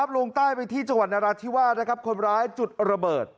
ลงใต้ไปที่จังหวัดนราธิวาสคนร้ายจุดระเบิด